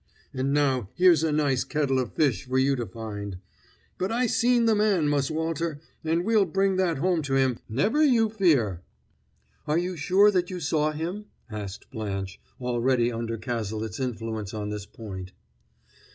And now here's a nice kettle of fish for you to find! But I seen the man, Mus' Walter, and we'll bring that home to him, never you fear!" "Are you sure that you saw him?" asked Blanche, already under Cazalet's influence on this point.